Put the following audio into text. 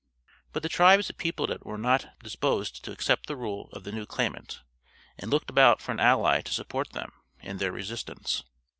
But the tribes that peopled it were not disposed to accept the rule of the new claimant, and looked about for an ally to support them in their resistance.